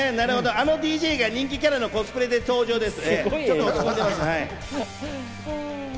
あのＤＪが人気キャラのコスプレで登場です。